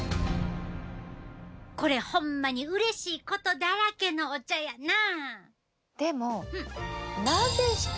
これ、ほんまにうれしいことだらけのお茶やな！